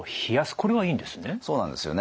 これはいいんですね？